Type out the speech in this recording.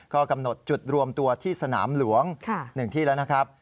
ก็กำหนดจุดรวมตัวที่สนามหลวง๑ที่แล้วนะครับ